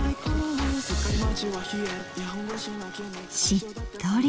しっとり。